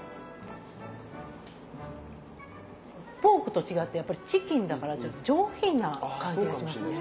ポークと違ってやっぱりチキンだからちょっと上品な感じがしますけど。